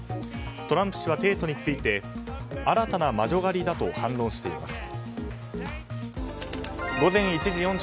トランプ氏は提訴について新たな魔女狩りだと反論しています。